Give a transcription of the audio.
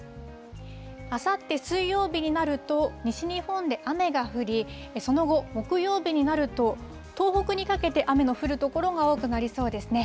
あさって水曜日になると、西日本で雨が降り、その後、木曜日になると、東北にかけて雨の降る所が多くなりそうですね。